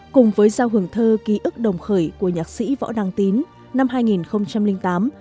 cùng với giao hưởng thơ ký ức đồng khởi của nhạc sĩ võ đăng tín năm hai nghìn tám